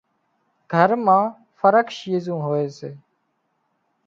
گھر مان فرق شيزون هوئي سي